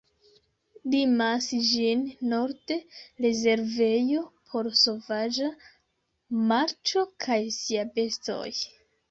Limas ĝin norde rezervejo por sovaĝa marĉo kaj sia bestoj.